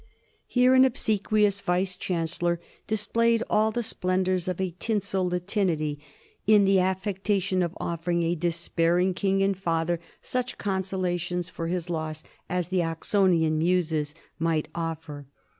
Here an ob 1761. FREFS EPlTAPHa 277 seqaious vice chancellor displayed all the splendors of a tinsel Latinity in the affectation of offering a despairing king and father such consolations for his loss as the Ox onian Muses might offer.